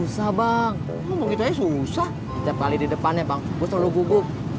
setiap kali di depannya bang gue selalu gugup